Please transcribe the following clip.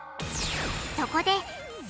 そこです